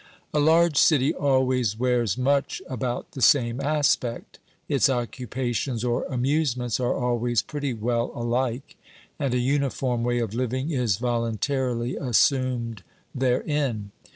A large city always wears much about the same aspect j its occupations or amusements are always pretty well alike, and a uniform way of living is voluntarily assumed therein.